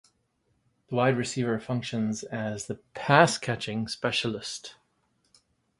The wide receiver functions as the pass-catching specialist.